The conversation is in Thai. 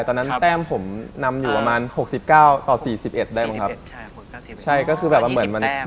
ตอนนั้นแต้มผมนำอยู่ประมาณ๖๙ต่อ๔๑บาทได้